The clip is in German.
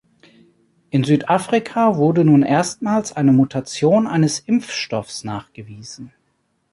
In Südafrika wurde nun erstmals eine Mutation eines Impfstoffs nachgewiesen.